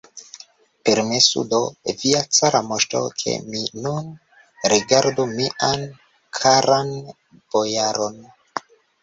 Permesu do, via cara moŝto, ke mi nun rigardu mian karan bojaron!